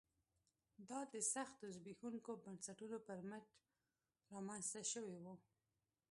دا د سختو زبېښونکو بنسټونو پر مټ رامنځته شوی و